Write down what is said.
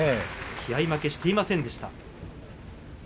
気合い負けしていませんでした。